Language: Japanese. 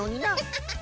ハハハ！